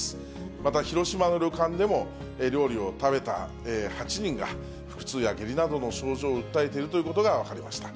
また広島の旅館でも、料理を食べた８人が、腹痛や下痢などの症状を訴えているということが分かりました。